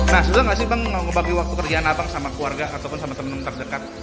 nah sudah nggak sih bang ngobaki waktu kerjaan apa sama keluarga ataupun sama temen temen terdekat